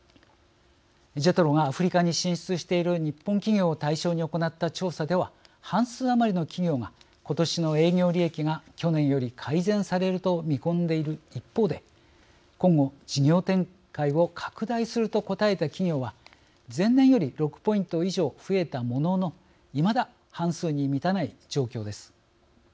ＪＥＴＲＯがアフリカに進出している日本企業を対象に行った調査では半数余りの企業が今年の営業利益が去年より改善されると見込んでいる一方で今後、事業展開を拡大すると答えた企業は前年より６ポイント以上増えたもののいまだ半数に満たない状況です。